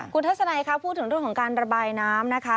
คุณทัศนัยค่ะพูดถึงเรื่องของการระบายน้ำนะคะ